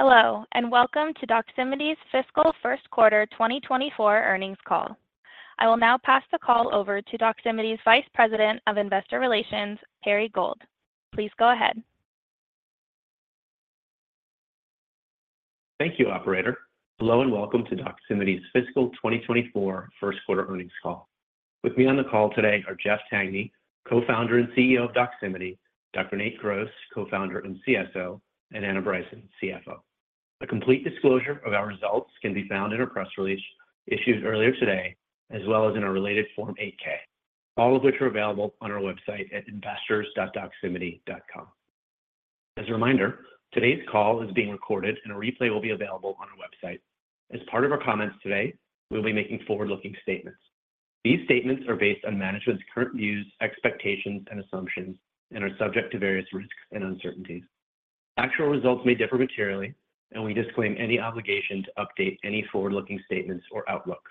Hello, and welcome to Doximity's fiscal Q1 2024 earnings call. I will now pass the call over to Doximity's Vice President of Investor Relations, Perry Gold. Please go ahead. Thank you, operator. Hello, and welcome to Doximity's fiscal 2024 Q1 earnings call. With me on the call today are Jeff Tangney, Co-founder and CEO of Doximity, Dr. Nate Gross, Co-founder and CSO, and Anna Bryson, CFO. A complete disclosure of our results can be found in our press release issued earlier today, as well as in our related Form 8-K, all of which are available on our website at investors.doximity.com. As a reminder, today's call is being recorded, and a replay will be available on our website. As part of our comments today, we'll be making forward-looking statements. These statements are based on management's current views, expectations, and assumptions, and are subject to various risks and uncertainties. Actual results may differ materially, and we disclaim any obligation to update any forward-looking statements or outlook.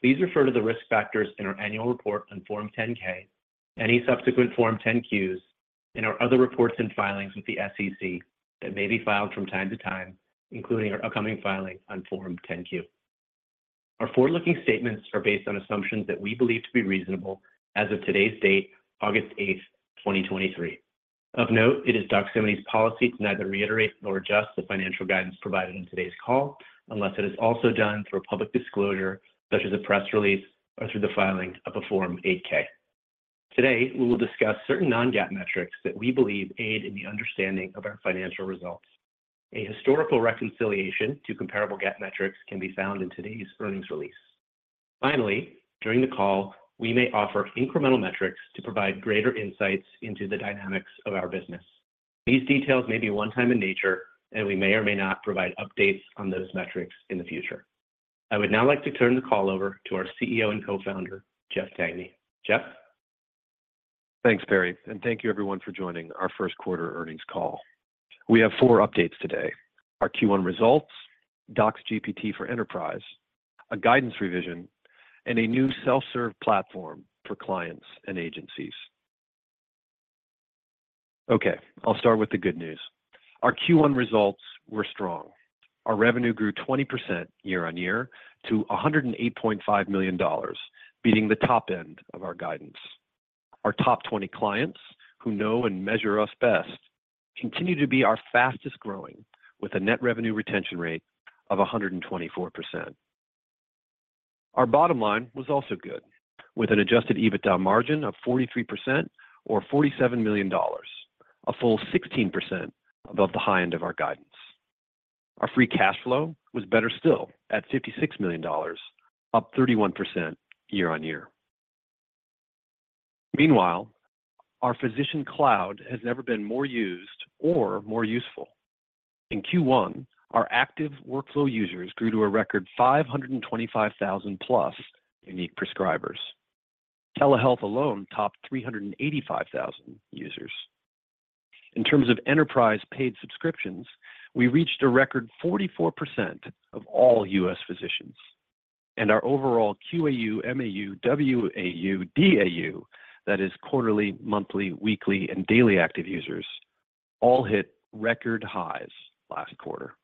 Please refer to the risk factors in our annual report on Form 10-K, any subsequent Form 10-Qs, and our other reports and filings with the SEC that may be filed from time to time, including our upcoming filing on Form 10-Q. Our forward-looking statements are based on assumptions that we believe to be reasonable as of today's date, August 8, 2023. Of note, it is Doximity's policy to neither reiterate nor adjust the financial guidance provided in today's call, unless it is also done through a public disclosure, such as a press release or through the filing of a Form 8-K. Today, we will discuss certain non-GAAP metrics that we believe aid in the understanding of our financial results. A historical reconciliation to comparable GAAP metrics can be found in today's earnings release. During the call, we may offer incremental metrics to provide greater insights into the dynamics of our business. These details may be one time in nature, and we may or may not provide updates on those metrics in the future. I would now like to turn the call over to our CEO and Co-founder, Jeff Tangney. Jeff? Thanks, Perry, and thank you everyone for joining our Q1 earnings call. We have four updates today: our Q1 results, DocsGPT for enterprise, a guidance revision, and a new self-serve platform for clients and agencies. Okay, I'll start with the good news. Our Q1 results were strong. Our revenue grew 20% year-on-year to $108.5 million, beating the top end of our guidance. Our top 20 clients, who know and measure us best, continue to be our fastest-growing, with a net revenue retention rate of 124%. Our bottom line was also good, with an adjusted EBITDA margin of 43% or $47 million, a full 16% above the high end of our guidance. Our free cash flow was better still, at $56 million, up 31% year-on-year. Meanwhile, our physician cloud has never been more used or more useful. In Q1, our active workflow users grew to a record 525,000-plus unique prescribers. Telehealth alone topped 385,000 users. In terms of enterprise paid subscriptions, we reached a record 44% of all U.S. physicians. Our overall QAU, MAU, WAU, DAU, that is quarterly, monthly, weekly, and daily active users, all hit record highs last quarter.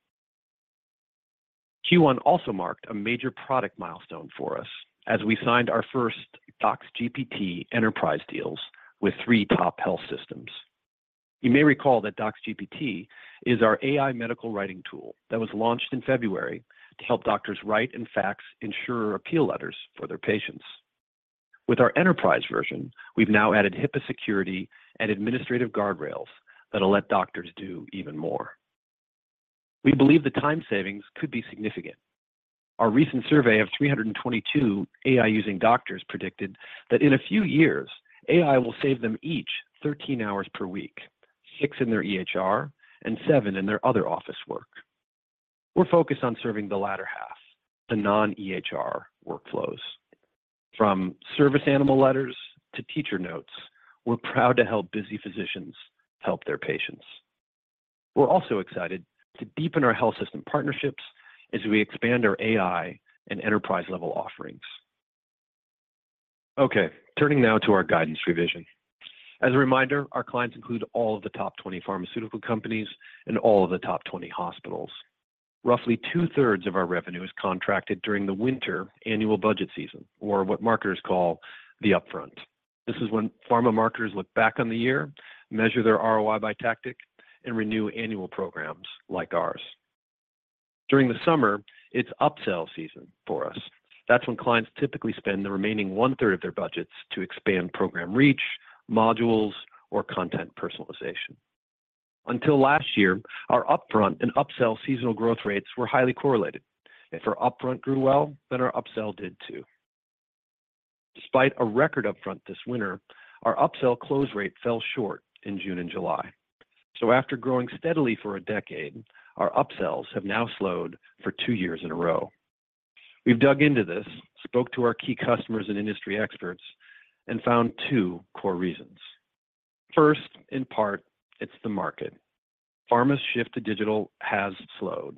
Q1 also marked a major product milestone for us as we signed our first DocsGPT enterprise deals with three top health systems. You may recall that DocsGPT is our AI medical writing tool that was launched in February to help doctors write and fax insurer appeal letters for their patients. With our enterprise version, we've now added HIPAA security and administrative guardrails that will let doctors do even more. We believe the time savings could be significant. Our recent survey of 322 AI-using doctors predicted that in a few years, AI will save them each 13 hours per week, 6 in their EHR and 7 in their other office work. We're focused on serving the latter half, the non-EHR workflows. From service animal letters to teacher notes, we're proud to help busy physicians help their patients. We're also excited to deepen our health system partnerships as we expand our AI and enterprise-level offerings. Okay, turning now to our guidance revision. As a reminder, our clients include all of the top 20 pharmaceutical companies and all of the top 20 hospitals. Roughly two-thirds of our revenue is contracted during the winter annual budget season, or what marketers call the upfront. This is when pharma marketers look back on the year, measure their ROI by tactic, and renew annual programs like ours. During the summer, it's upsell season for us. That's when clients typically spend the remaining one-third of their budgets to expand program reach, modules, or content personalization. Until last year, our upfront and upsell seasonal growth rates were highly correlated. If our upfront grew well, then our upsell did too. Despite a record upfront this winter, our upsell close rate fell short in June and July. After growing steadily for a decade, our upsells have now slowed for two years in a row. We've dug into this, spoke to our key customers and industry experts, and found two core reasons. First, in part, it's the market. Pharma's shift to digital has slowed.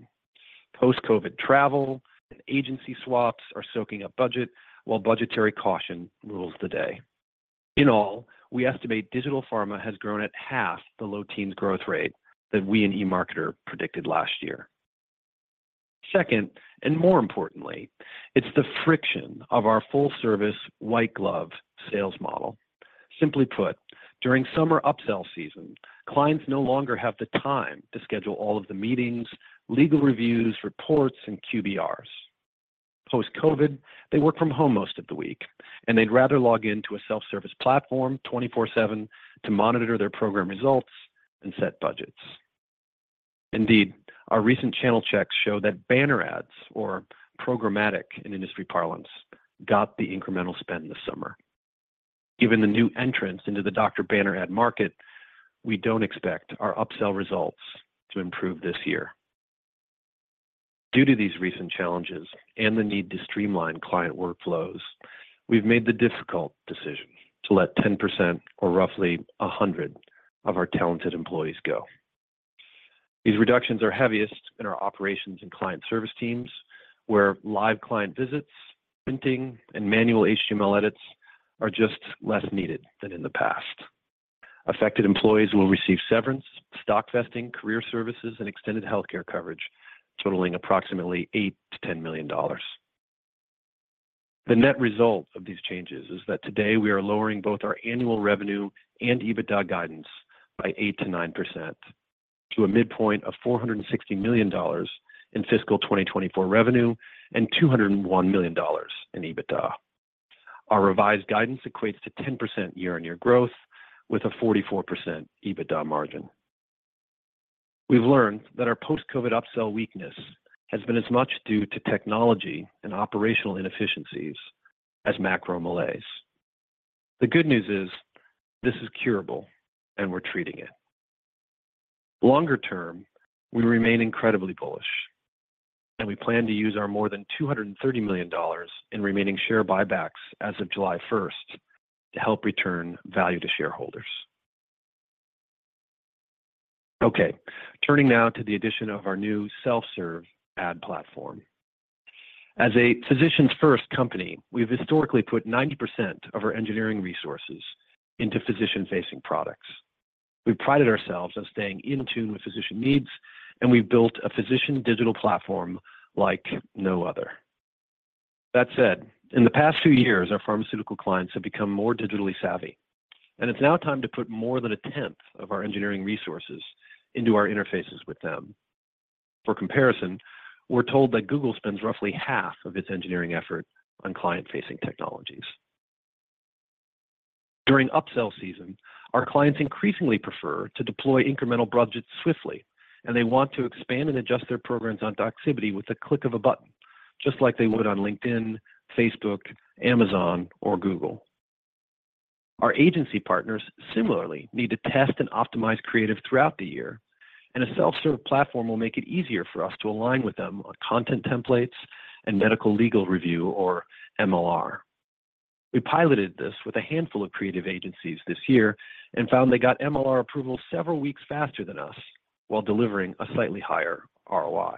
Post-COVID travel and agency swaps are soaking up budget, while budgetary caution rules the day. In all, we estimate digital pharma has grown at half the low teens growth rate that we and eMarketer predicted last year. Second, more importantly, it's the friction of our full-service, white-glove sales model. Simply put, during summer upsell season, clients no longer have the time to schedule all of the meetings, legal reviews, reports, and QBRs. Post-COVID, they work from home most of the week, and they'd rather log in to a self-service platform 24/7 to monitor their program results and set budgets. Indeed, our recent channel checks show that banner ads, or programmatic in industry parlance, got the incremental spend this summer. Given the new entrants into the doctor banner ad market, we don't expect our upsell results to improve this year. Due to these recent challenges and the need to streamline client workflows, we've made the difficult decision to let 10%, or roughly 100, of our talented employees go. These reductions are heaviest in our operations and client service teams, where live client visits, printing, and manual HTML edits are just less needed than in the past. Affected employees will receive severance, stock vesting, career services, and extended healthcare coverage, totaling approximately $8 million-$10 million. The net result of these changes is that today we are lowering both our annual revenue and EBITDA guidance by 8%-9%, to a midpoint of $460 million in fiscal 2024 revenue and $201 million in EBITDA. Our revised guidance equates to 10% year-on-year growth with a 44% EBITDA margin. We've learned that our post-COVID upsell weakness has been as much due to technology and operational inefficiencies as macro malaise. The good news is, this is curable, and we're treating it. Longer term, we remain incredibly bullish, and we plan to use our more than $230 million in remaining share buybacks as of July 1 to help return value to shareholders. Okay, turning now to the addition of our new self-serve ad platform. As a physician's first company, we've historically put 90% of our engineering resources into physician-facing products. We prided ourselves on staying in tune with physician needs, and we've built a physician digital platform like no other. That said, in the past few years, our pharmaceutical clients have become more digitally savvy, and it's now time to put more than a tenth of our engineering resources into our interfaces with them. For comparison, we're told that Google spends roughly half of its engineering effort on client-facing technologies. During upsell season, our clients increasingly prefer to deploy incremental budgets swiftly, they want to expand and adjust their programs on Doximity with a click of a button, just like they would on LinkedIn, Facebook, Amazon, or Google. Our agency partners similarly need to test and optimize creative throughout the year, a self-serve platform will make it easier for us to align with them on content templates and medical, legal review, or MLR. We piloted this with a handful of creative agencies this year and found they got MLR approval several weeks faster than us while delivering a slightly higher ROI.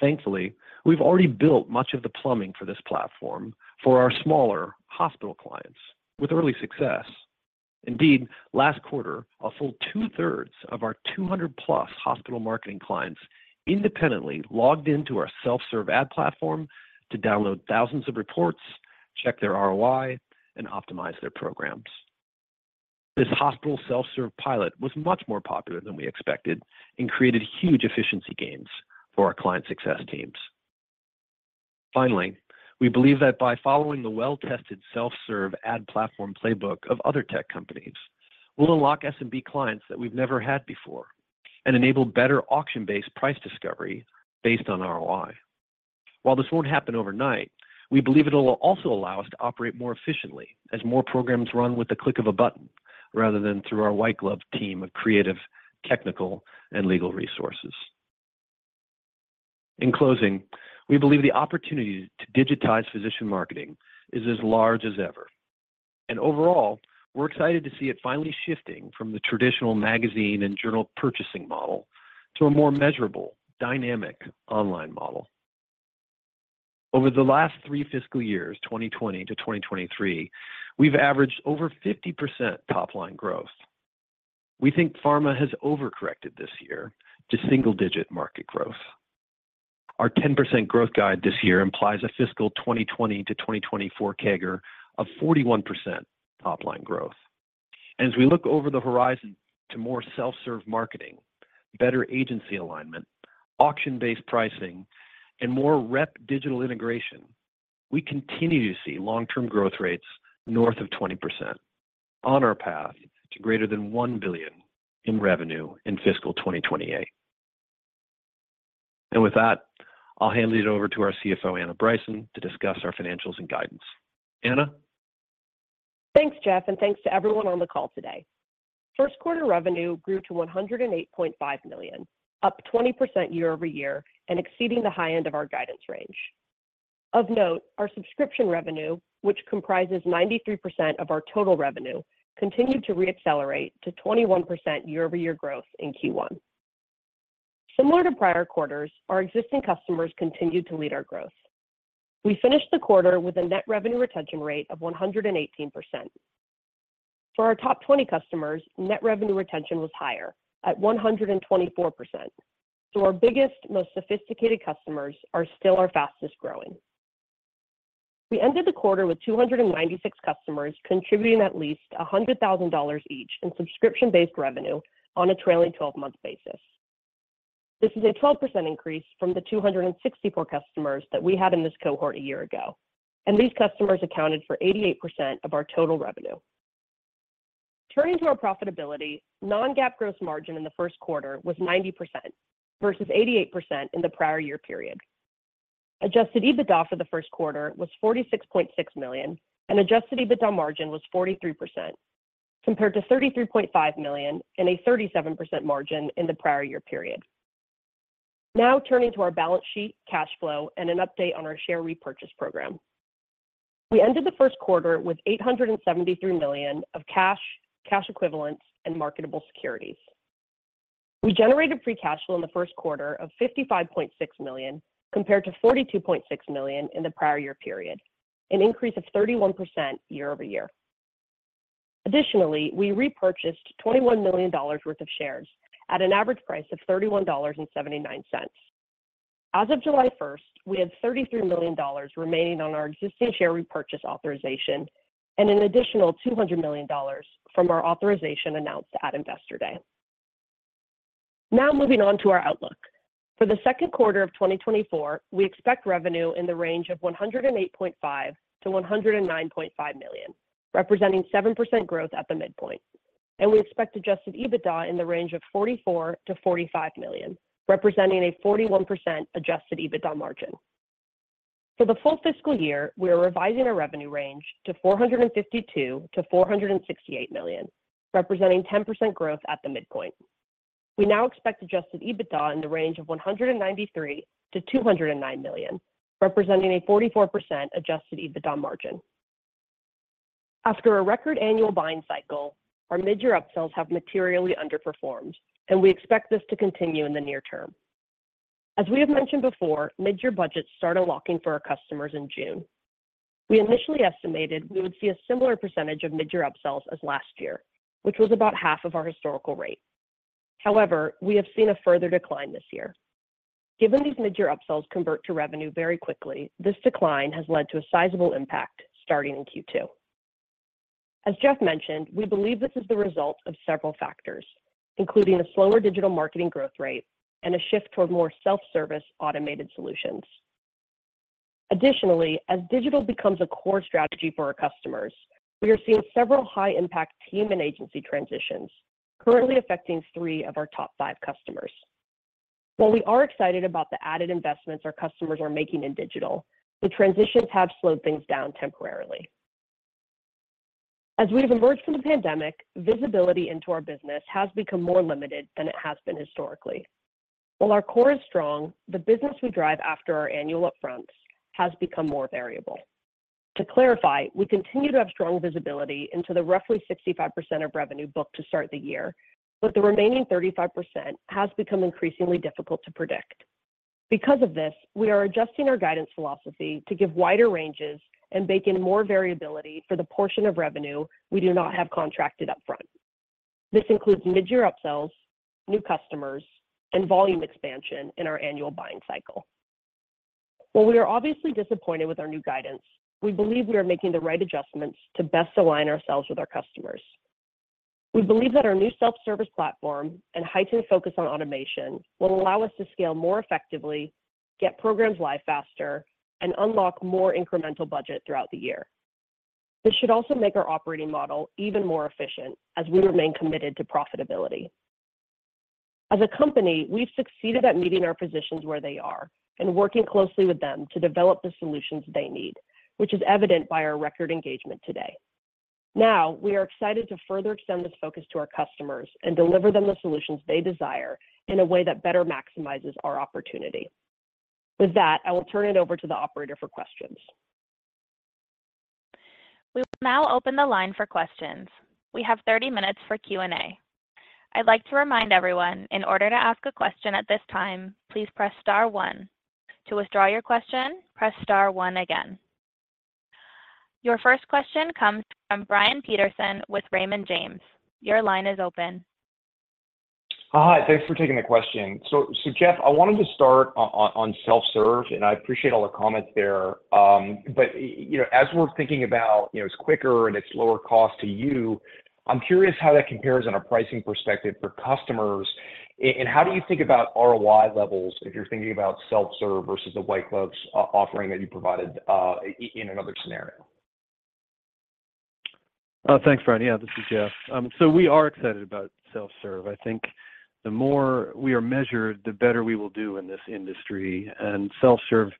Thankfully, we've already built much of the plumbing for this platform for our smaller hospital clients with early success. Indeed, last quarter, a full two-thirds of our 200+ hospital marketing clients independently logged into our self-serve ad platform to download thousands of reports, check their ROI, and optimize their programs. This hospital self-serve pilot was much more popular than we expected and created huge efficiency gains for our client success teams. We believe that by following the well-tested self-serve ad platform playbook of other tech companies, we'll unlock SMB clients that we've never had before and enable better auction-based price discovery based on ROI. While this won't happen overnight, we believe it'll also allow us to operate more efficiently as more programs run with the click of a button rather than through our white glove team of creative, technical, and legal resources. In closing, we believe the opportunity to digitize physician marketing is as large as ever, and overall, we're excited to see it finally shifting from the traditional magazine and journal purchasing model to a more measurable, dynamic online model. Over the last 3 fiscal years, 2020 to 2023, we've averaged over 50% top-line growth. We think pharma has overcorrected this year to single-digit market growth. Our 10% growth guide this year implies a fiscal 2020 to 2024 CAGR of 41% top-line growth. As we look over the horizon to more self-serve marketing, better agency alignment, auction-based pricing, and more rep digital integration, we continue to see long-term growth rates north of 20% on our path to greater than $1 billion in revenue in fiscal 2028. With that, I'll hand it over to our CFO, Anna Bryson, to discuss our financials and guidance. Anna? Thanks, Jeff, and thanks to everyone on the call today. Q1 revenue grew to $108.5 million, up 20% year-over-year and exceeding the high end of our guidance range. Of note, our subscription revenue, which comprises 93% of our total revenue, continued to reaccelerate to 21% year-over-year growth in Q1. Similar to prior quarters, our existing customers continued to lead our growth. We finished the quarter with a net revenue retention rate of 118%. For our top 20 customers, net revenue retention was higher at 124%. Our biggest, most sophisticated customers are still our fastest-growing. We ended the quarter with 296 customers, contributing at least $100,000 each in subscription-based revenue on a trailing twelve-month basis. This is a 12% increase from the 264 customers that we had in this cohort a year ago, and these customers accounted for 88% of our total revenue. Turning to our profitability, non-GAAP gross margin in the Q1 was 90% versus 88% in the prior year period. Adjusted EBITDA for the Q1 was $46.6 million, and adjusted EBITDA margin was 43%, compared to $33.5 million and a 37% margin in the prior year period. Turning to our balance sheet, cash flow, and an update on our share repurchase program. We ended the Q1 with $873 million of cash, cash equivalents, and marketable securities. We generated free cash flow in the Q1 of $55.6 million, compared to $42.6 million in the prior year period, an increase of 31% year-over-year. Additionally, we repurchased $21 million worth of shares at an average price of $31.79. As of July 1st, we have $33 million remaining on our existing share repurchase authorization and an additional $200 million from our authorization announced at Investor Day. Now moving on to our outlook. For the Q2 of 2024, we expect revenue in the range of $108.5 million-$109.5 million, representing 7% growth at the midpoint. We expect adjusted EBITDA in the range of $44 million-$45 million, representing a 41% adjusted EBITDA margin. For the full fiscal year, we are revising our revenue range to $452 million-$468 million, representing 10% growth at the midpoint. We now expect adjusted EBITDA in the range of $193 million-$209 million, representing a 44% adjusted EBITDA margin. After a record annual buying cycle, our mid-year upsells have materially underperformed, and we expect this to continue in the near term. As we have mentioned before, mid-year budgets started locking for our customers in June. We initially estimated we would see a similar percentage of mid-year upsells as last year, which was about half of our historical rate. However, we have seen a further decline this year. Given these mid-year upsells convert to revenue very quickly, this decline has led to a sizable impact starting in Q2. As Jeff mentioned, we believe this is the result of several factors, including a slower digital marketing growth rate and a shift toward more self-service automated solutions. Additionally, as digital becomes a core strategy for our customers, we are seeing several high-impact team and agency transitions currently affecting 3 of our top 5 customers. While we are excited about the added investments our customers are making in digital, the transitions have slowed things down temporarily. As we have emerged from the pandemic, visibility into our business has become more limited than it has been historically. While our core is strong, the business we drive after our annual upfronts has become more variable. To clarify, we continue to have strong visibility into the roughly 65% of revenue booked to start the year, but the remaining 35% has become increasingly difficult to predict. Because of this, we are adjusting our guidance philosophy to give wider ranges and bake in more variability for the portion of revenue we do not have contracted upfront. This includes mid-year upsells, new customers, and volume expansion in our annual buying cycle. While we are obviously disappointed with our new guidance, we believe we are making the right adjustments to best align ourselves with our customers. We believe that our new self-service platform and heightened focus on automation will allow us to scale more effectively, get programs live faster, and unlock more incremental budget throughout the year. This should also make our operating model even more efficient as we remain committed to profitability. As a company, we've succeeded at meeting our physicians where they are and working closely with them to develop the solutions they need, which is evident by our record engagement today. Now, we are excited to further extend this focus to our customers and deliver them the solutions they desire in a way that better maximizes our opportunity. With that, I will turn it over to the operator for questions. We will now open the line for questions. We have 30 minutes for Q&A. I'd like to remind everyone, in order to ask a question at this time, please press star one. To withdraw your question, press star one again. Your first question comes from Brian Peterson with Raymond James. Your line is open. Hi, thanks for taking the question. Jeff, I wanted to start on self-serve, and I appreciate all the comments there. But as we're thinking about, you know, it's quicker and it's lower cost to you, I'm curious how that compares on a pricing perspective for customers and how do you think about ROI levels if you're thinking about self-serve versus the white gloves offering that you provided in another scenario? Thanks, Brian. this is Jeff. We are excited about self-serve. I think the more we are measured, the better we will do in this industry, and self-serve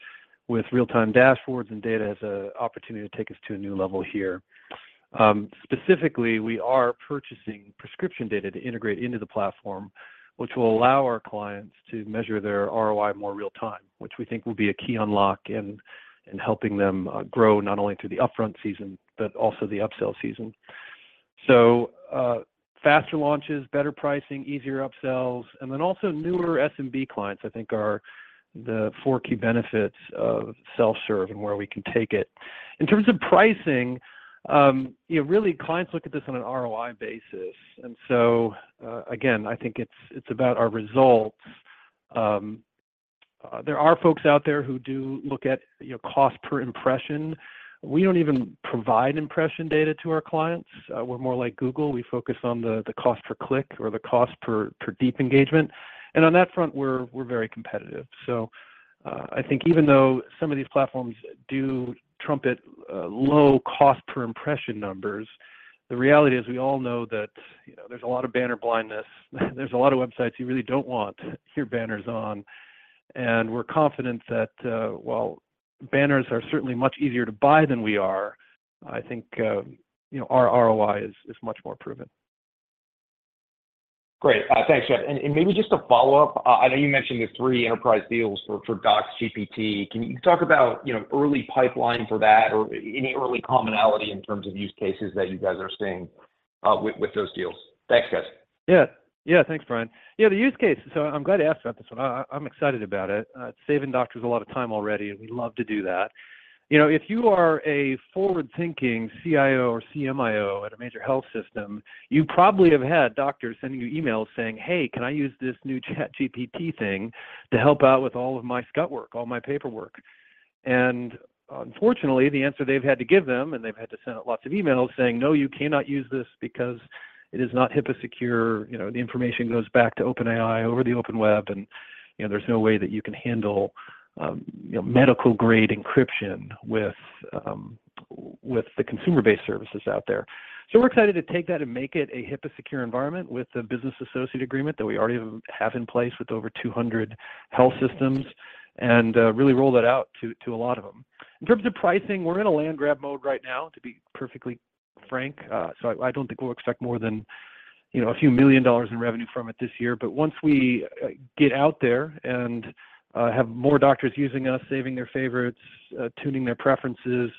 with real-time dashboards and data has a opportunity to take us to a new level here. Specifically, we are purchasing prescription data to integrate into the platform, which will allow our clients to measure their ROI more real-time, which we think will be a key unlock in, in helping them grow, not only through the upfront season, but also the upsell season. Faster launches, better pricing, easier upsells, and then also newer SMB clients, I think, are the four key benefits of self-serve and where we can take it. In terms of pricing, you know, really clients look at this on an ROI basis. Again, I think it's, it's about our results. There are folks out there who do look at, you know, cost per impression. We don't even provide impression data to our clients. We're more like Google. We focus on the, the cost per click or the cost per, per deep engagement, and on that front, we're, we're very competitive. I think even though some of these platforms do trumpet low cost per impression numbers, the reality is we all know that, you know, there's a lot of banner blindness, there's a lot of websites you really don't want your banners on. We're confident that, while banners are certainly much easier to buy than we are, I think, you know, our ROI is, is much more proven. Great. Thanks, Jeff. Maybe just a follow-up, I know you mentioned the 3 enterprise deals for DocsGPT. Can you talk about, you know, early pipeline for that or any early commonality in terms of use cases that you guys are seeing, with, with those deals? Thanks, guys. Thanks, Brian. The use cases, so I'm glad you asked about this one. I'm excited about it. It's saving doctors a lot of time already, and we love to do that. You know, if you are a forward-thinking CIO or CMIO at a major health system, you probably have had doctors sending you emails saying. "Hey, can I use this new ChatGPT thing to help out with all of my scut work, all my paperwork?" Unfortunately, the answer they've had to give them, and they've had to send out lots of emails saying, "No, you cannot use this because it is not HIPAA secure." You know, the information goes back to OpenAI over the open web, and, you know, there's no way that you can handle, you know, medical-grade encryption with the consumer-based services out there. We're excited to take that and make it a HIPAA secure environment with the business associate agreement that we already have in place with over 200 health systems, and really roll that out to, to a lot of them. In terms of pricing, we're in a land grab mode right now, to be perfectly frank. I, I don't think we'll expect more than, you know, a few million dollars in revenue from it this year. Once we get out there and have more doctors using us, saving their favorites, tuning their preferences,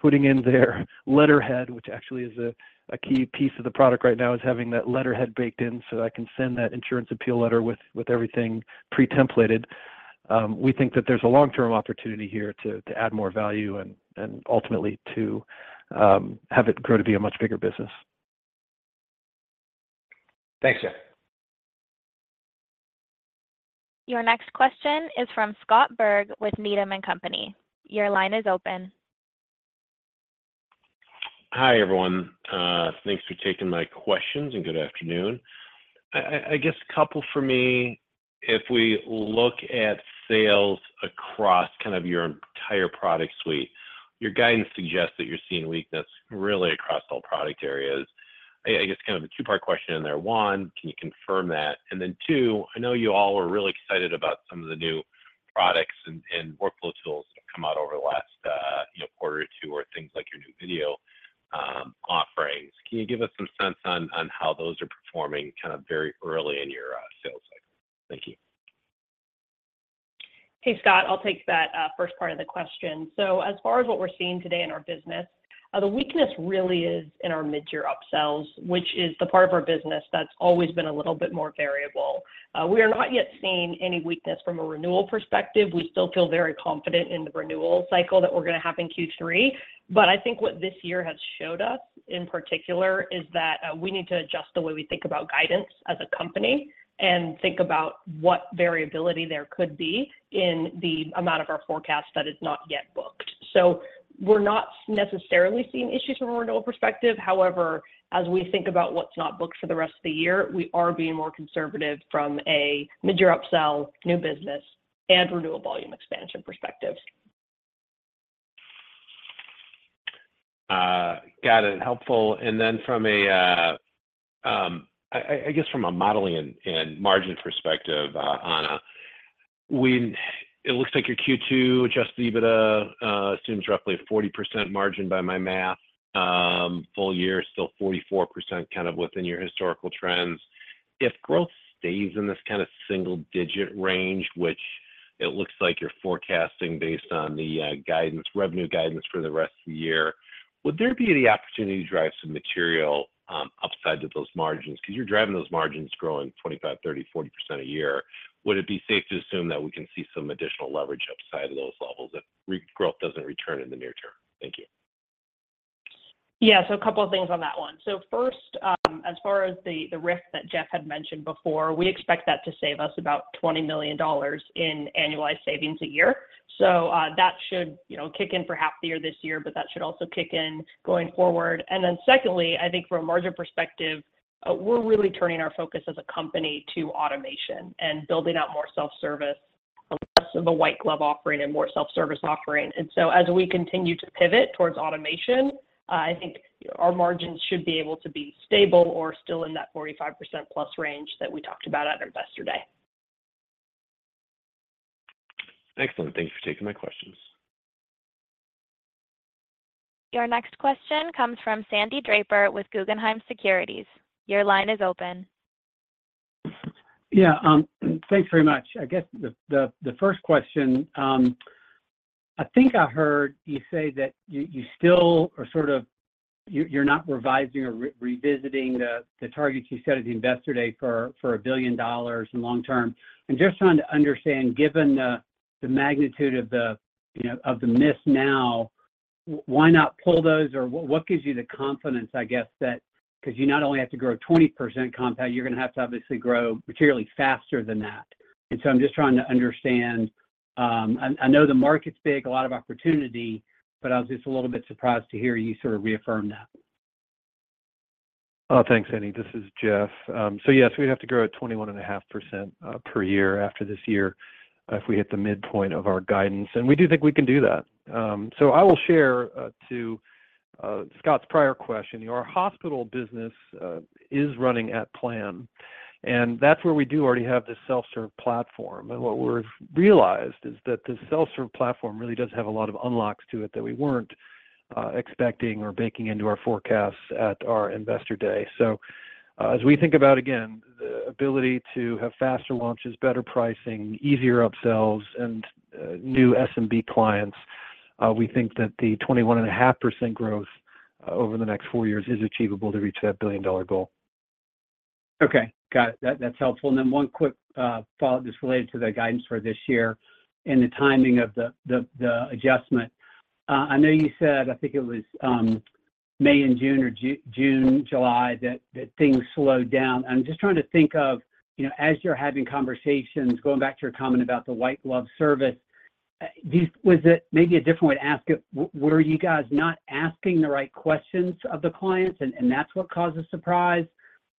putting in their letterhead, which actually is a, a key piece of the product right now, is having that letterhead baked in, so I can send that insurance appeal letter with, with everything pre-templated. We think that there's a long-term opportunity here to, to add more value and, and ultimately to, have it grow to be a much bigger business. Thanks, Jeff. Your next question is from Scott Berg with Needham & Company. Your line is open. Hi, everyone. Thanks for taking my questions, and good afternoon. I guess a couple for me, if we look at sales across kind of your entire product suite, your guidance suggests that you're seeing weakness really across all product areas. I guess kind of a two-part question in there: One, can you confirm that? And then, two, I know you all were really excited about some of the new products and workflow tools that have come out over the last, you know, quarter or two, or things like your new video offerings. Can you give us some sense on how those are performing kind of very early in your sales cycle? Thank you. Hey, Scott. I'll take that first part of the question. As far as what we're seeing today in our business, the weakness really is in our mid-year upsells, which is the part of our business that's always been a little bit more variable. We are not yet seeing any weakness from a renewal perspective. We still feel very confident in the renewal cycle that we're gonna have in Q3. I think what this year has showed us, in particular, is that we need to adjust the way we think about guidance as a company, and think about what variability there could be in the amount of our forecast that is not yet booked. We're not necessarily seeing issues from a renewal perspective. As we think about what's not booked for the rest of the year, we are being more conservative from a mid-year upsell, new business, and renewal volume expansion perspective. Got it. Helpful. Then from a, I guess from a modeling and, and margins perspective, Anna, It looks like your Q2 adjusted EBITDA assumes roughly a 40% margin by my math. Full year is still 44%, kind of within your historical trends. If growth stays in this kind of single-digit range, which it looks like you're forecasting based on the guidance, revenue guidance for the rest of the year, would there be the opportunity to drive some material upside to those margins? Because you're driving those margins growing 25%, 30%, 40% a year. Would it be safe to assume that we can see some additional leverage upside to those levels if growth doesn't return in the near term? Thank you. Yeah, a couple of things on that one. First, as far as the RIF that Jeff had mentioned before, we expect that to save us about $20 million in annualized savings a year. That should, you know, kick in for half the year this year, but that should also kick in going forward. Secondly, I think from a margin perspective, we're really turning our focus as a company to automation and building out more self-service, less of a white glove offering and more self-service offering. As we continue to pivot towards automation, I think our margins should be able to be stable or still in that 45% plus range that we talked about at Investor Day. Excellent. Thank you for taking my questions. Your next question comes from Sandy Draper with Guggenheim Securities. Your line is open. Yeah, thanks very much. I guess the, the, the first question. I heard you say that you, you still are sort of you're not revising or revisiting the, the targets you set at the Investor Day for, for $1 billion in long term. I'm just trying to understand, given the, the magnitude of the, you know, of the miss now, why not pull those? Or what gives you the confidence, I guess, that? 'Cause you not only have to grow 20% compound, you're gonna have to obviously grow materially faster than that. I'm just trying to understand, I know the market's big, a lot of opportunity, but I was just a little bit surprised to hear you sort of reaffirm that. Thanks, Sandy. This is Jeff. Yes, we'd have to grow at 21.5% per year after this year, if we hit the midpoint of our guidance, and we do think we can do that. I will share, to Scott's prior question, our hospital business is running at plan, and that's where we do already have this self-serve platform. What we've realized is that this self-serve platform really does have a lot of unlocks to it that we weren't expecting or baking into our forecasts at our Investor Day. As we think about, again, the ability to have faster launches, better pricing, easier upsells, and new SMB clients, we think that the 21.5% growth over the next 4 years is achievable to reach that $1 billion goal. Okay. Got it. That, that's helpful. One quick follow-up just related to the guidance for this year and the timing of the, the, the adjustment. I know you said, I think it was May and June or June, July, that, that things slowed down. I'm just trying to think of, you know, as you're having conversations, going back to your comment about the white glove service, was it maybe a different way to ask it, were you guys not asking the right questions of the clients, and, and that's what caused the surprise,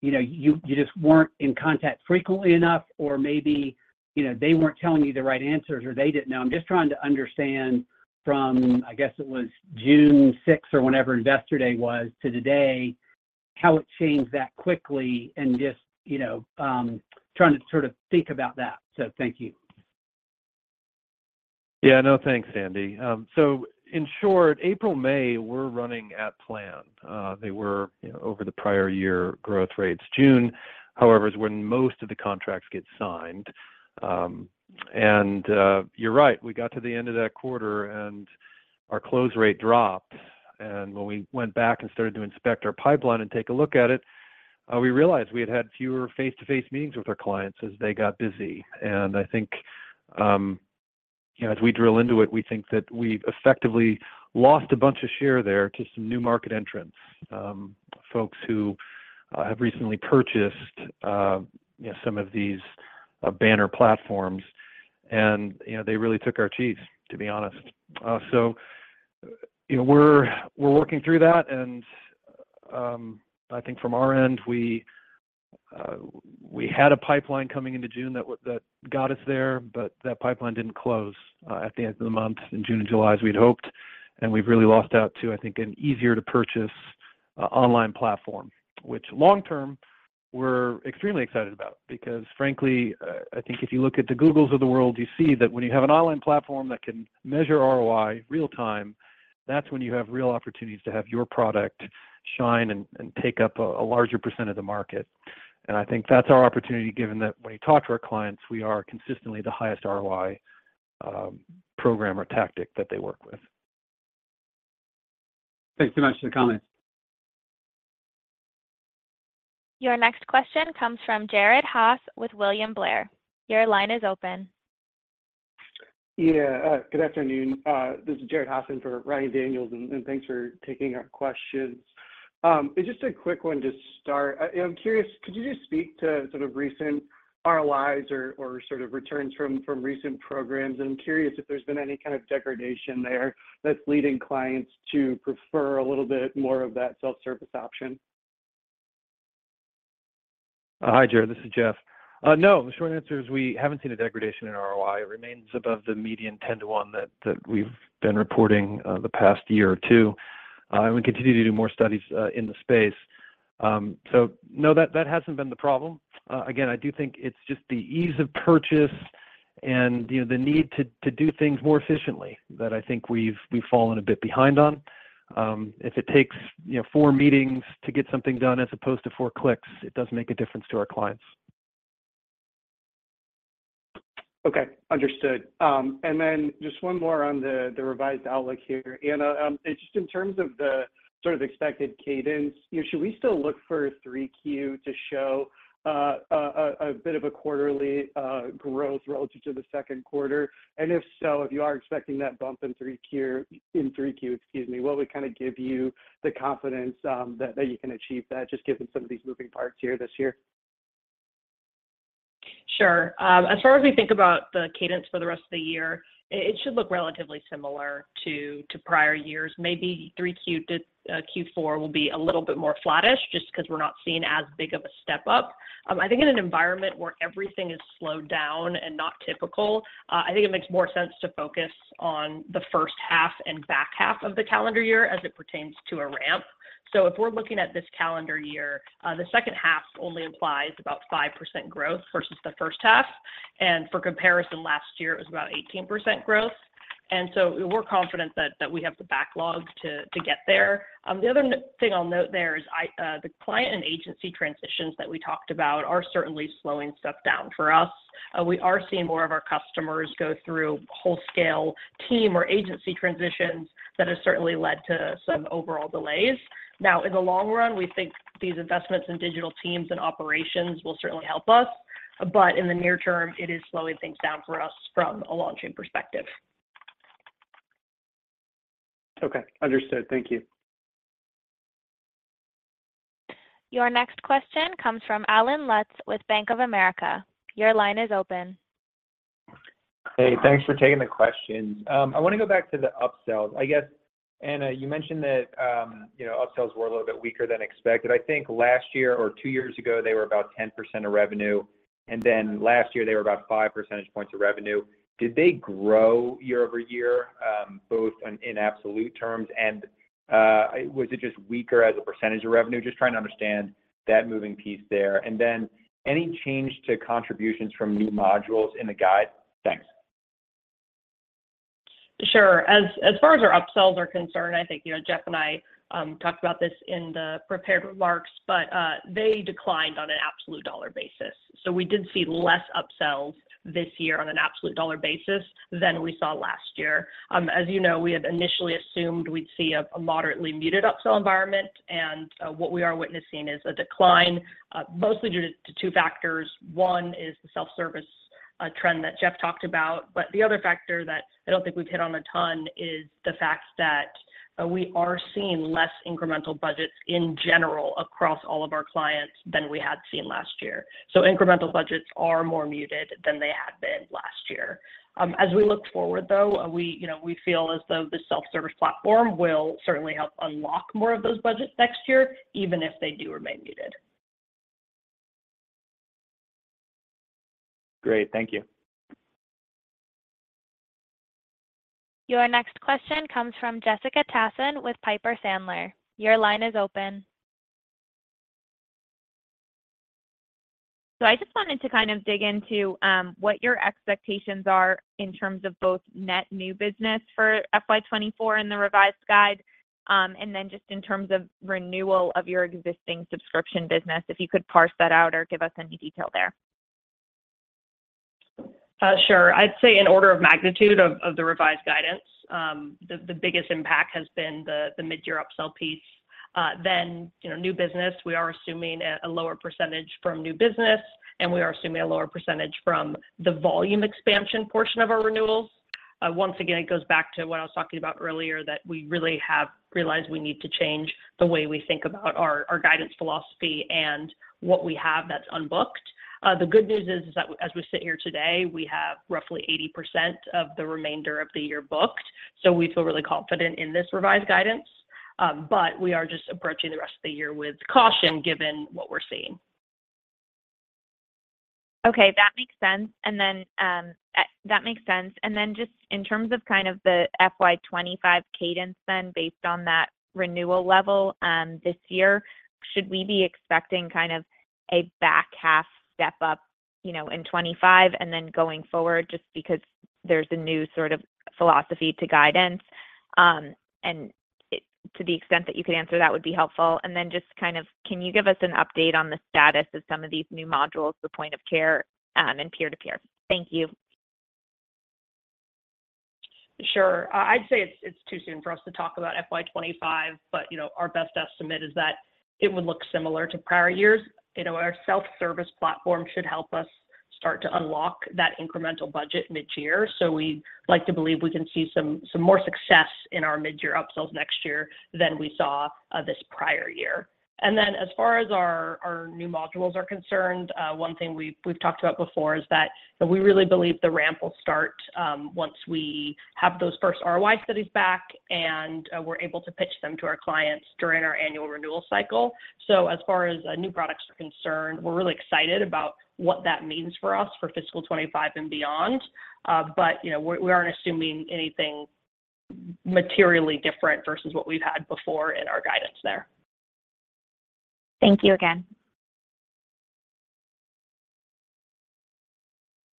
you know, you, you just weren't in contact frequently enough, or they weren't telling you the right answers, or they didn't know? I'm just trying to understand from, I guess, it was June 6th or whenever Investor Day was to today, how it changed that quickly and just, you know, trying to sort of think about that. Thank you. Yeah. No, thanks, Sandy. In short, April, May were running at plan. They were, you know, over the prior year growth rates. June, however, is when most of the contracts get signed. You're right, we got to the end of that quarter, and our close rate dropped. When we went back and started to inspect our pipeline and take a look at it, we realized we had had fewer face-to-face meetings with our clients as they got busy. I think, you know, as we drill into it, we think that we've effectively lost a bunch of share there to some new market entrants. Folks who have recently purchased, you know, some of these banner platforms, and, you know, they really took our cheese, to be honest. You know, we're working through that, and I think from our end, we had a pipeline coming into June that got us there, but that pipeline didn't close at the end of the month in June and July, as we'd hoped, and we've really lost out to, I think, an easier-to-purchase online platform, which long term, we're extremely excited about. Because frankly, I think if you look at the Googles of the world, you see that when you have an online platform that can measure ROI real time, that's when you have real opportunities to have your product shine and, and take up a, a larger % of the market. I think that's our opportunity, given that when we talk to our clients, we are consistently the highest ROI, program or tactic that they work with. Thanks so much for the comments. Your next question comes from Jared Haase with William Blair. Your line is open. Yeah, good afternoon. This is Jared Haase in for Ryan Daniels, and thanks for taking our questions. It's just a quick one to start. I'm curious, could you just speak to sort of recent ROIs or sort of returns from recent programs? I'm curious if there's been any kind of degradation there that's leading clients to prefer a little bit more of that self-service option. Hi, Jared. This is Jeff. No, the short answer is we haven't seen a degradation in ROI. It remains above the median 10 to 1 that, that we've been reporting, the past year or 2. We continue to do more studies, in the space. No, that, that hasn't been the problem. Again, I do think it's just the ease of purchase and, you know, the need to, to do things more efficiently that I think we've, we've fallen a bit behind on. If it takes, you know, 4 meetings to get something done as opposed to 4 clicks, it does make a difference to our clients. Okay, understood. Then just 1 more on the revised outlook here. Anna, just in terms of the sort of expected cadence, you know, should we still look for three Q to show a bit of a quarterly growth relative to the Q2? If so, if you are expecting that bump in three Q, excuse me, what would kind of give you the confidence that you can achieve that, just given some of these moving parts here this year? Sure. As far as we think about the cadence for the rest of the year, it, it should look relatively similar to, to prior years. Maybe 3Q to Q4 will be a little bit more flattish, just because we're not seeing as big of a step up. I think in an environment where everything is slowed down and not typical, I think it makes more sense to focus on the first half and back half of the calendar year as it pertains to a ramp. If we're looking at this calendar year, the second half only implies about 5% growth versus the first half. For comparison, last year, it was about 18% growth. So we're confident that we have the backlogs to, to get there. The other thing I'll note there is, I, the client and agency transitions that we talked about are certainly slowing stuff down for us. We are seeing more of our customers go through whole-scale team or agency transitions that has certainly led to some overall delays. Now, in the long run, we think these investments in digital teams and operations will certainly help us, but in the near term, it is slowing things down for us from a launching perspective. Okay, understood. Thank you. Your next question comes from Allen Lutz with Bank of America. Your line is open. Hey, thanks for taking the questions. I want go back to the upsells. I guess, Anna, you mentioned that, you know, upsells were a little bit weaker than expected. I think last year or two years ago, they were about 10% of revenue, and then last year they were about 5 percentage points of revenue. Did they grow year-over-year, both in, in absolute terms, and, was it just weaker as a percentage of revenue? Just trying to understand that moving piece there. And then, any change to contributions from new modules in the guide? Thanks. Sure. As, as far as our upsells are concerned, I think, you know, Jeff and I talked about this in the prepared remarks, but they declined on an absolute dollar basis. We did see less upsells this year on an absolute dollar basis than we saw last year. As you know, we had initially assumed we'd see a moderately muted upsell environment, and what we are witnessing is a decline mostly due to two factors. One is the self-service trend that Jeff talked about, the other factor that I don't think we've hit on a ton is the fact that we are seeing less incremental budgets in general across all of our clients than we had seen last year. Incremental budgets are more muted than they had been last year. As we look forward, though, we, you know, we feel as though the self-service platform will certainly help unlock more of those budgets next year, even if they do remain muted. Great. Thank you. Your next question comes from Jessica Tassan with Piper Sandler. Your line is open. I just wanted to kind of dig into what your expectations are in terms of both net new business for FY 2024 and the revised guide, and then just in terms of renewal of your existing subscription business, if you could parse that out or give us any detail there. Sure. I'd say in order of magnitude of the revised guidance, the biggest impact has been the mid-year upsell piece. You know, new business, we are assuming a lower percentage from new business, and we are assuming a lower percentage from the volume expansion portion of our renewals. Once again, it goes back to what I was talking about earlier, that we really have realized we need to change the way we think about our guidance philosophy and what we have that's unbooked. The good news is, is that as we sit here today, we have roughly 80% of the remainder of the year booked, so we feel really confident in this revised guidance. We are just approaching the rest of the year with caution, given what we're seeing. Okay, that makes sense. Then, that makes sense. Then just in terms of kind of the FY 2025 cadence then, based on that renewal level, this year, should we be expecting kind of a back half step up, you know, in 2025 and then going forward, just because there's a new sort of philosophy to guidance? To the extent that you could answer, that would be helpful. Then, just kind of, can you give us an update on the status of some of these new modules, the point-of-care, and peer-to-peer? Thank you. Sure. I'd say it's, it's too soon for us to talk about FY 2025, but, you know, our best estimate is that it would look similar to prior years. You know, our self-service platform should help us start to unlock that incremental budget mid-year. We'd like to believe we can see some, some more success in our mid-year upsells next year than we saw this prior year. As far as our, our new modules are concerned, one thing we've talked about before is that we really believe the ramp will start once we have those first ROI studies back, and we're able to pitch them to our clients during our annual renewal cycle. As far as new products are concerned, we're really excited about what that means for us for fiscal 2025 and beyond. We aren't assuming anything materially different versus what we've had before in our guidance there. Thank you again.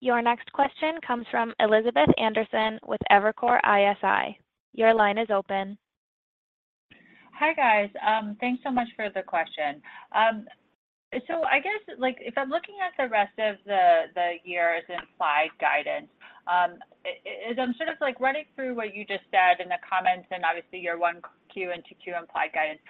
Your next question comes from Elizabeth Anderson with Evercore ISI. Your line is open. Hi, guys. thanks so much for the question. I guess, like, if I'm looking at the rest of the, the year's implied guidance, as I'm sort of, like, running through what you just said in the comments and obviously your 1Q and 2Q implied guidance,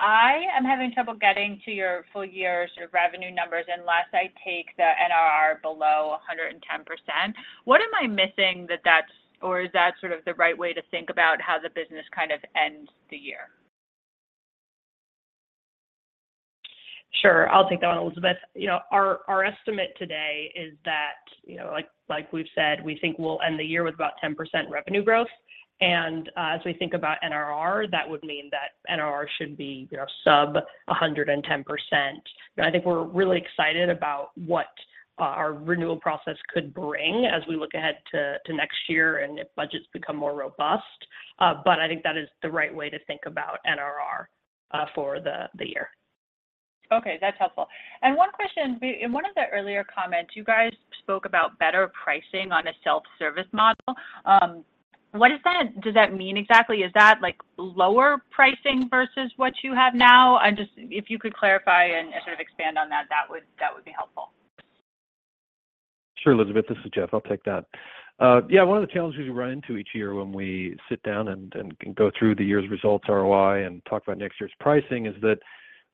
I am having trouble getting to your full year sort of revenue numbers unless I take the NRR below 110%. What am I missing that that's... or is that sort of the right way to think about how the business kind of ends the year? Sure. I'll take that one, Elizabeth. You know, our, our estimate today is that, you know, like, like we've said, we think we'll end the year with about 10% revenue growth. As we think about NRR, that would mean that NRR should be, you know, sub 110%. I think we're really excited about what our, our renewal process could bring as we look ahead to, to next year and if budgets become more robust. I think that is the right way to think about NRR for the year. Okay, that's helpful. One question, in one of the earlier comments, you guys spoke about better pricing on a self-service model. What does that, does that mean exactly? Is that, like, lower pricing versus what you have now? If you could clarify and, and sort of expand on that, that would, that would be helpful. Sure, Elizabeth, this is Jeff. I'll take that. Yeah, one of the challenges we run into each year when we sit down and, and go through the year's results, ROI, and talk about next year's pricing, is that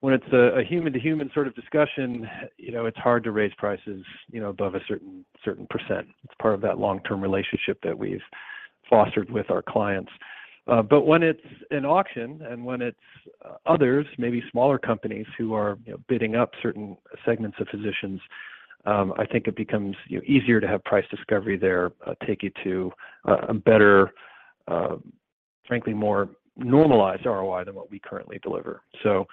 when it's a, a human-to-human sort of discussion, you know, it's hard to raise prices, you know, above a certain, certain %. It's part of that long-term relationship that we've fostered with our clients. When it's an auction and when it's others, maybe smaller companies who are, you know, bidding up certain segments of physicians, I think it becomes, you know, easier to have price discovery there, take you to a better, frankly, more normalized ROI than what we currently deliver. You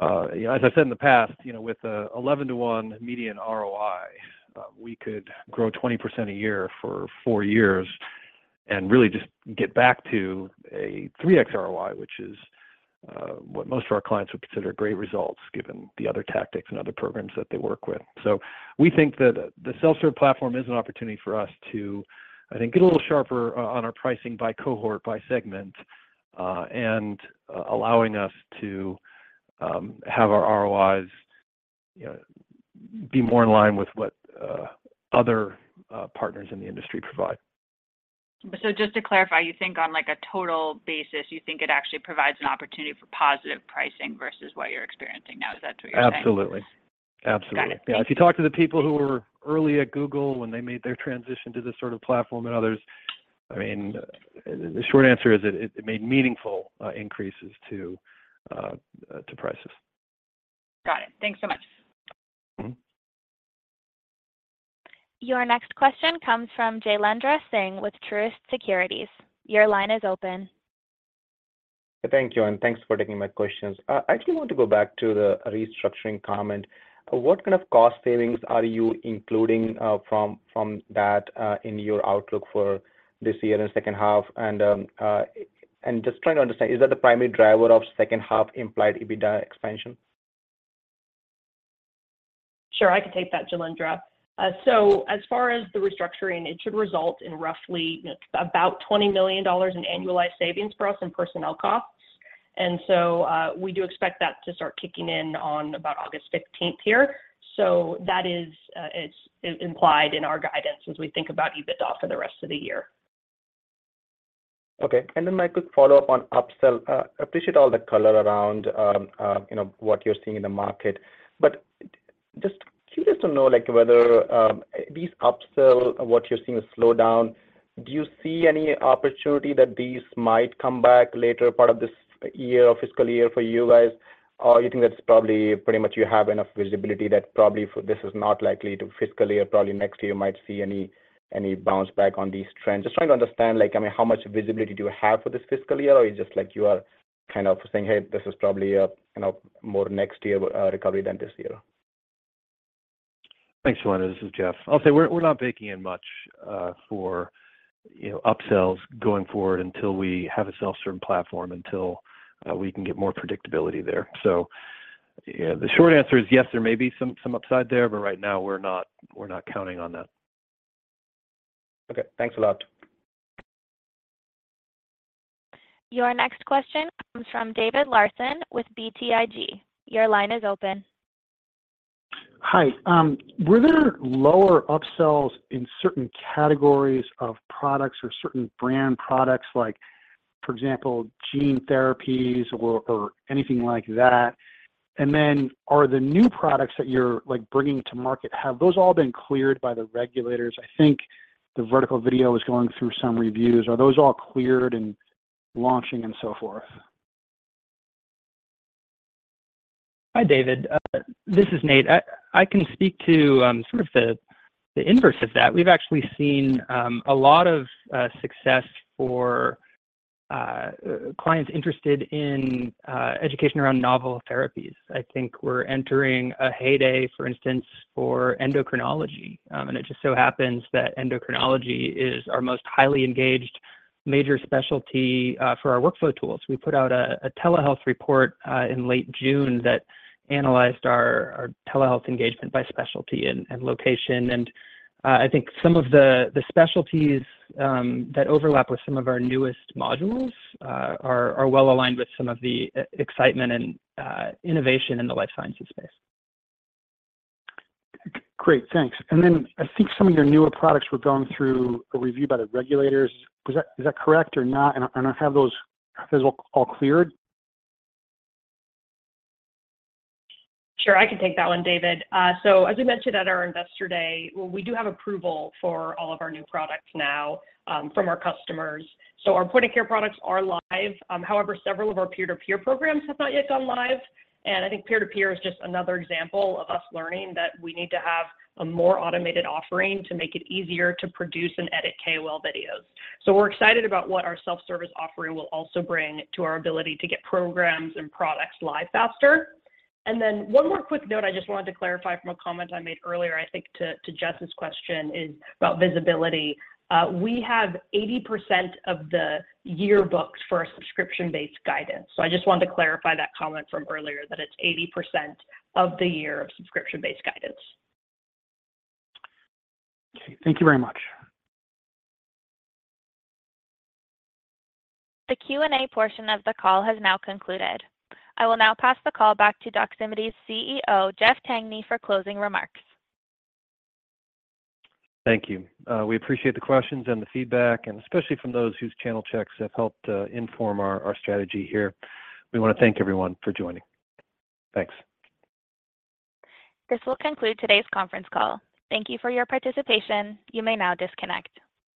know, as I said in the past, you know, with a 11 to 1 median ROI, we could grow 20% a year for 4 years and really just get back to a 3x ROI, which is what most of our clients would consider great results, given the other tactics and other programs that they work with. We think that the self-serve platform is an opportunity for us to, I think, get a little sharper o- on our pricing by cohort, by segment, and allowing us to have our ROIs, you know, be more in line with what other partners in the industry provide. Just to clarify, you think on, like, a total basis, you think it actually provides an opportunity for positive pricing versus what you're experiencing now. Is that what you're saying? Absolutely. Absolutely. Got it. Yeah, if you talk to the people who were early at Google when they made their transition to this sort of platform and others, I mean, the, the short answer is that it, it made meaningful increases to to prices. Got it. Thanks so much. Mm-hmm. Your next question comes from Jailendra Singh with Truist Securities. Your line is open. Thank you, thanks for taking my questions. I actually want to go back to the restructuring comment. What kind of cost savings are you including from that in your outlook for this year in the second half? Just trying to understand, is that the primary driver of second half implied EBITDA expansion? Sure, I can take that, Jailendra. As far as the restructuring, it should result in roughly, you know, about $20 million in annualized savings for us in personnel costs. We do expect that to start kicking in on about August 15th here. That is implied in our guidance as we think about EBITDA for the rest of the year. Okay, and then my quick follow-up on upsell. Appreciate all the color around, you know, what you're seeing in the market. Just curious to know, like, whether these upsell, what you're seeing is slow down, do you see any opportunity that these might come back later part of this year or fiscal year for you guys? Or you think that's probably pretty much you have enough visibility that probably for- this is not likely to fiscal year, probably next year, you might see any, any bounce back on these trends? Just trying to understand, like, I mean, how much visibility do you have for this fiscal year, or you just like you are kind of saying, "Hey, this is probably a, you know, more next year, recovery than this year? Thanks, Jailendra. This is Jeff. I'll say we're, we're not baking in much for, you know, upsells going forward until we have a self-serve platform, until we can get more predictability there. The short answer is yes, there may be some, some upside there, but right now we're not, we're not counting on that. Okay, thanks a lot. Your next question comes from David Larsen with BTIG. Your line is open. Hi. Were there lower upsells in certain categories of products or certain brand products like, for example, gene therapies or, or anything like that? Then, are the new products that you're bringing to market, have those all been cleared by the regulators? I think the vertical video is going through some reviews. Are those all cleared and launching and so forth? Hi, David. This is Nate. I can speak to sort of the inverse of that. We've actually seen a lot of success for clients interested in education around novel therapies. I think we're entering a heyday, for instance, for endocrinology. It just so happens that endocrinology is our most highly engaged major specialty for our workflow tools. We put out a telehealth report in late June that analyzed our telehealth engagement by specialty and location. I think some of the specialties that overlap with some of our newest modules are well aligned with some of the excitement and innovation in the life sciences space. Great, thanks. Then I think some of your newer products were going through a review by the regulators. Is that correct or not? Are, have those all cleared? Sure, I can take that one, David. As we mentioned at our Investor Day, we do have approval for all of our new products now from our customers. Our point-of-care products are live. However, several of our peer-to-peer programs have not yet gone live, and I think peer-to-peer is just another example of us learning that we need to have a more automated offering to make it easier to produce and edit KOL videos. We're excited about what our self-service offering will also bring to our ability to get programs and products live faster. Then one more quick note I just wanted to clarify from a comment I made earlier, I think to, to Jess's question, is about visibility. We have 80% of the year booked for our subscription-based guidance. I just wanted to clarify that comment from earlier, that it's 80% of the year of subscription-based guidance. Okay. Thank you very much. The Q&A portion of the call has now concluded. I will now pass the call back to Doximity's CEO, Jeff Tangney, for closing remarks. Thank you. We appreciate the questions and the feedback, and especially from those whose channel checks have helped inform our, our strategy here. We wanna thank everyone for joining. Thanks. This will conclude today's conference call. Thank you for your participation. You may now disconnect.